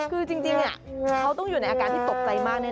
คือจริงเขาต้องอยู่ในอาการที่ตกใจมากแน